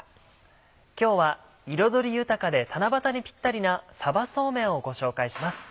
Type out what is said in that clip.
今日は彩り豊かで七夕にピッタリな「さばそうめん」をご紹介します。